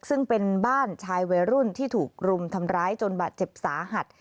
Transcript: ซึ่งเป็นบ้านชายวัยรุ่นที่ถูกรุมทำร้ายจนบาดเจ็บสาหัส